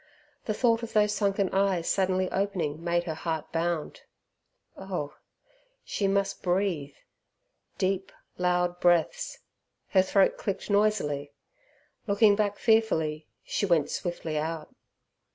The thought of those sunken eyes suddenly opening made her heart bound. Oh! she must breathe deep, loud breaths. Her throat clicked noisily. Looking back fearfully, she went swiftly out.